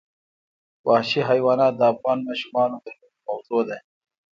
وحشي حیوانات د افغان ماشومانو د لوبو موضوع ده.